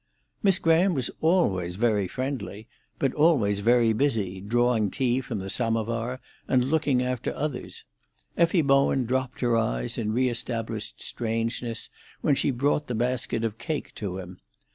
Miss Graham was always very friendly, but always very busy, drawing tea from the samovar, and looking after others. Effie Bowen dropped her eyes in re established strangeness when she brought the basket of cake to him.